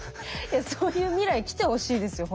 いやそういう未来来てほしいですよ